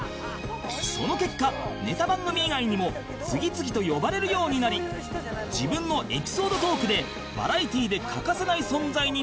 その結果ネタ番組以外にも次々と呼ばれるようになり自分のエピソードトークでバラエティで欠かせない存在になった